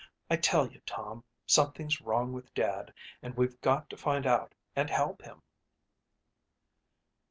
I tell you, Tom, something's wrong with Dad and we've got to find out and help him."